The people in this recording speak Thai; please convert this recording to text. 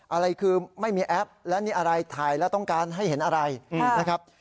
อะไรคือไม่มีแอปและนี่อะไรถ่ายแล้วต้องการให้เห็นอะไรนะครับ